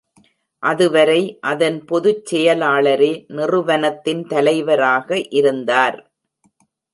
அதுவரை, அதன் பொதுச் செயலாளரே நிறுவனத்தின் தலைவராக இருந்தார்.